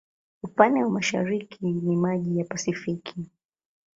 Upande wa mashariki ni maji ya Pasifiki.